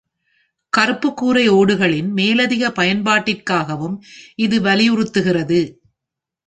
கருப்பு கூரை ஓடுகளின் மேலதிக பயன்பாட்டிற்காகவும் இது வலியுறுத்துகிறது.